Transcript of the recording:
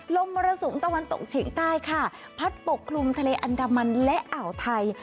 มรสุมตะวันตกเฉียงใต้ค่ะพัดปกคลุมทะเลอันดามันและอ่าวไทย